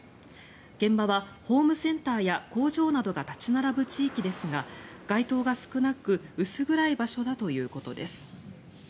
現場はホームセンターや工場などが立ち並ぶ地域ですが街灯が少なく薄暗い場所だということです。